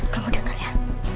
kamu dengar ya